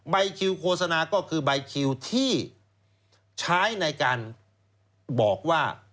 ใบคิวโฆษณาก็คือใบคิวที่ใช้ในการบอกว่า